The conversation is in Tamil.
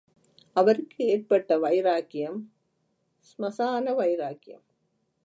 அவருக்கு ஏற்பட்ட வைராக்கியம் ஸ்மசான வைராக்கியம்.